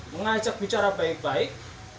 mengajak bicara baik baik